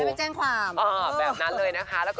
ถ้ามีมีจะไม่แจ้งความ